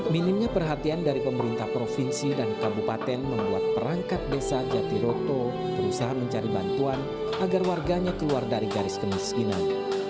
minimnya perhatian dari pemerintah provinsi dan kabupaten membuat perangkat desa jatiroto berusaha mencari bantuan agar warganya keluar dari garis kemiskinan